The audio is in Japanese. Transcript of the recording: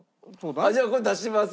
じゃあこれ出します？